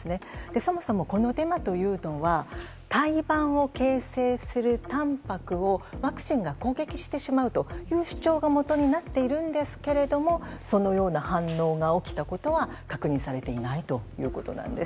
そもそも、このデマというのは胎盤を形成するたんぱくをワクチンが攻撃してしまうという主張がもとになっているんですけれどもそのような反応が起きたことは確認されていないということなんです。